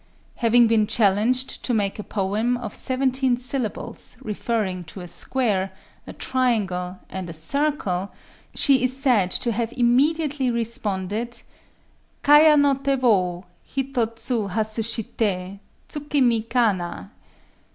Having been challenged to make a poem of seventeen syllables referring to a square, a triangle, and a circle, she is said to have immediately responded,— Kaya no té wo Hitotsu hazushité, Tsuki mi kana!